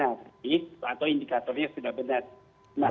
atau indikatornya sudah benar